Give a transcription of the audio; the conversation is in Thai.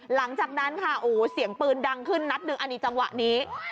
หลังจากนั้นค่ะโอ้โหเสียงปืนดังขึ้นนัดหนึ่งอันนี้จังหวะนี้